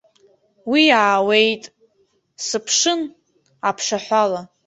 Уи аауеит, сыԥшын, аԥшаҳәала.